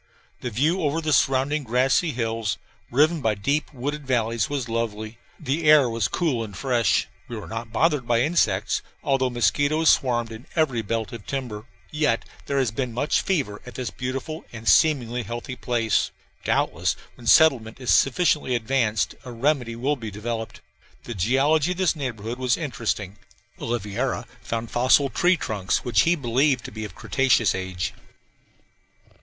The view over the surrounding grassy hills, riven by deep wooded valleys, was lovely. The air was cool and fresh. We were not bothered by insects, although mosquitoes swarmed in every belt of timber. Yet there has been much fever at this beautiful and seemingly healthy place. Doubtless when settlement is sufficiently advanced a remedy will be developed. The geology of this neighborhood was interesting Oliveira found fossil tree trunks which he believed to be of cretaceous age.